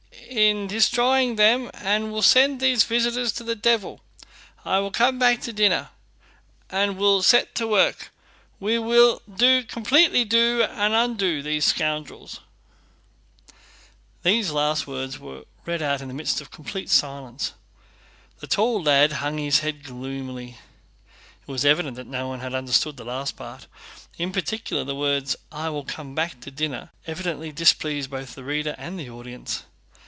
"in destroying them, and will send these visitors to the devil. I will come back to dinner, and we'll set to work. We will do, completely do, and undo these scoundrels." The last words were read out in the midst of complete silence. The tall lad hung his head gloomily. It was evident that no one had understood the last part. In particular, the words "I will come back to dinner," evidently displeased both reader and audience.